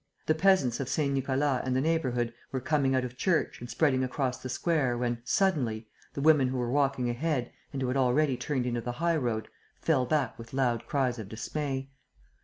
The peasants of Saint Nicolas and the neighbourhood were coming out of church and spreading across the square, when, suddenly, the women who were walking ahead and who had already turned into the high road fell back with loud cries of dismay.